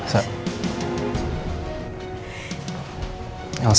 jaluran gw dari almc